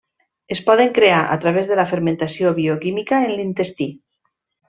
Es poden crear a través de la fermentació bioquímica en l'intestí.